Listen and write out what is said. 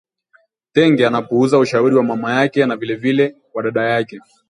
Tenge anapuuza ushauri wa mamake na vilevile wa dadake